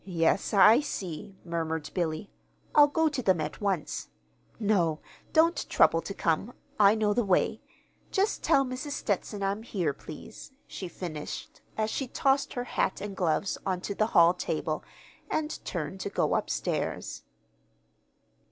"Yes, I see," murmured Billy. "I'll go to them at once. No, don't trouble to come. I know the way. Just tell Mrs. Stetson I'm here, please," she finished, as she tossed her hat and gloves on to the hall table, and turned to go upstairs.